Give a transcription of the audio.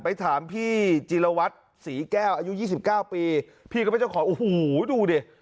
ไปถามพี่จิลวัตรศรีแก้วอายุ๒๙ปีพี่ก็เป็นเจ้าของโอ้โหดูดิ